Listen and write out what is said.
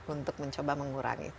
untuk mencoba mengurangi